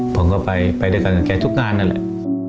ผมก็ไปด้วยกันกับแกทุกงานนั่นแหละ